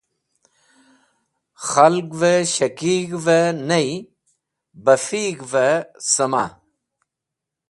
khalgvẽ shakig̃hẽ ney, bafig̃hvẽ sẽma